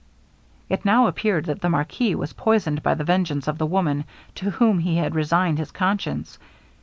It now appeared that the marquis was poisoned by the vengeance of the woman to whom he had resigned his conscience.